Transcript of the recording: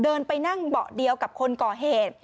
เดินไปนั่งเบาะเดียวกับคนก่อเหตุ